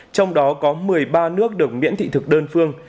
trong đó có một mươi ba nước được miễn thị thực đơn phương